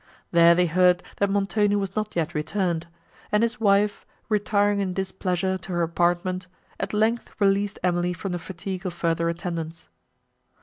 There they heard that Montoni was not yet returned; and his wife, retiring in displeasure to her apartment, at length released Emily from the fatigue of further attendance.